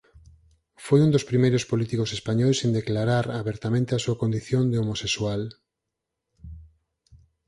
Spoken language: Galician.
Foi un dos primeiros políticos españois en declarar abertamente a súa condición de homosexual.